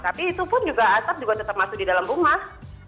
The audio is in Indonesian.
tapi itu pun juga asap juga tetap masuk di dalam rumah